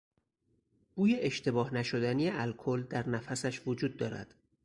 بوی اشتباه نشدنی الکل در نفسش وجود دارد.